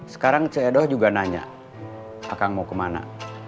sekarang cedoh juga nanya akang mau kemana